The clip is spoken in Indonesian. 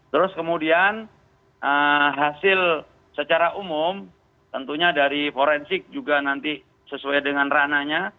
terus kemudian hasil secara umum tentunya dari forensik juga nanti sesuai dengan rananya